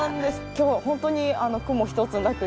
今日はホントに雲一つなくて。